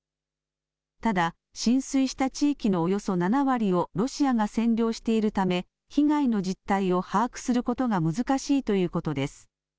ただ、浸水した地域のおよそ７割をロシアが占領しているため、被害の実態を把握することが難しいということです。